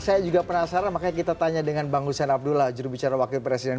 saya juga penasaran makanya kita tanya dengan bang hussein abdullah jurubicara wakil presiden